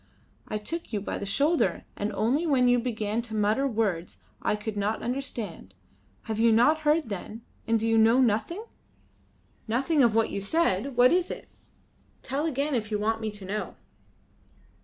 I took you by the shoulder only when you began to mutter words I could not understand. Have you not heard, then, and do you know nothing?" "Nothing of what you said. What is it? Tell again if you want me to know."